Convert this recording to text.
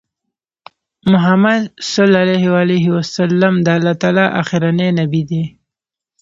محمد صلی الله عليه وسلم د الله تعالی آخرنی نبی دی